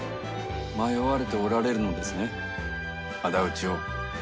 迷われておられるのですね、あだ討ちを。